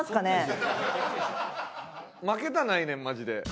負けたないねんマジで。